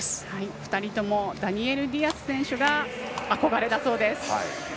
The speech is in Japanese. ２人ともダニエル・ディアス選手が憧れだそうです。